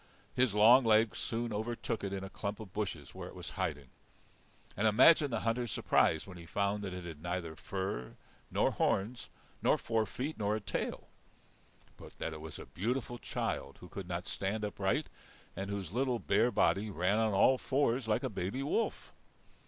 His long legs soon overtook it in a clump of bushes where it was hiding, and imagine the hunter's surprise when he found that it had neither fur nor horns nor four feet nor a tail, but that it was a beautiful child who could not stand upright, and whose little, bare body ran on all fours like a baby wolf!